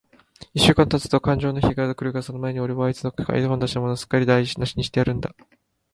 一週間たつとかんじょうの日が来るが、その前に、おれはあいつの買い込んだ品物を、すっかりだいなしにしてやるんだ。